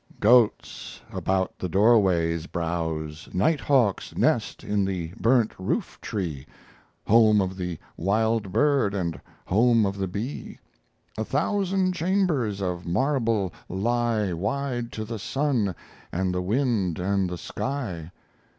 "Goats about the doorways browse; Night hawks nest in the burnt roof tree, Home of the wild bird and home of the bee. A thousand chambers of marble lie Wide to the sun and the wind and the sky.